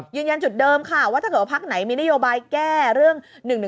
ยืนยันจุดเดิมค่ะว่าถ้าเกิดว่าพักไหนมีนโยบายแก้เรื่อง๑๑๒